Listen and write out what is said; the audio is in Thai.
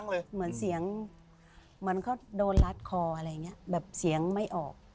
เกือบเสียงไม่ออก